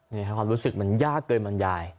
นี่ค่ะความรู้สึกมันยากเกินหมอนยาย